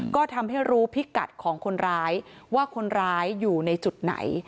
ก็ทำให้รู้พิกัดของคนร้ายว่าคนร้ายอยู่ในจุดไหน